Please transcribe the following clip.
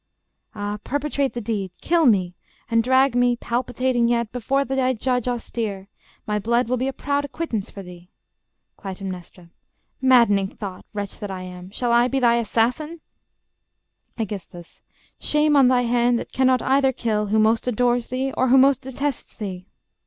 Ah, perpetrate the deed; Kill me; and drag me, palpitating yet, Before thy judge austere: my blood will be A proud acquittance for thee. Cly. Madd'ning thought!... Wretch that I am!... Shall I be thy assassin?... Aegis. Shame on thy hand, that cannot either kill Who most adores thee, or who most detests thee!